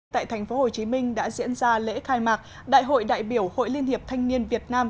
tại thành phố hồ chí minh đã diễn ra lễ khai mạc đại hội đại biểu hội liên hiệp thanh niên việt nam